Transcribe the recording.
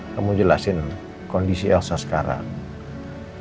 kamu jelasin kondisi elsa sekarang